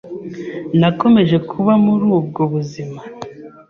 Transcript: Nakomeje kuba muri ubwo buzima,